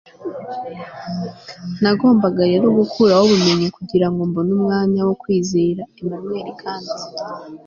nagombaga rero gukuraho ubumenyi, kugira ngo mbone umwanya wo kwizera. - immanuel kant